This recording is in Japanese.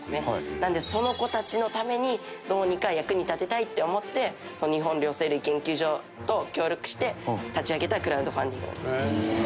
なのでその子たちのためにどうにか役に立てたいって思って日本両棲類研究所と協力して立ち上げたクラウドファンディングなんです。